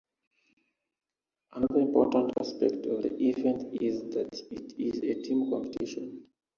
Another important aspect of the event is that it is a team competition.